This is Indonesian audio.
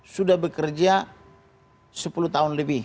sudah bekerja sepuluh tahun lebih